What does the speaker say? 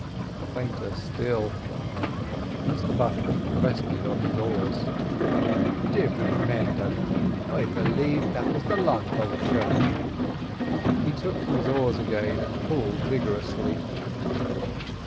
"Ahoy!"—fainter still. Mr Button rested on his oars. "Divil mend them—I b'lave that was the long boat shoutin'." He took to his oars again and pulled vigorously.